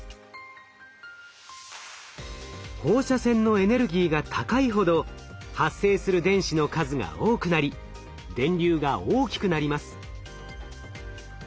放射線のエネルギーが高いほど発生する電子の数が多くなり電流が大きくなります。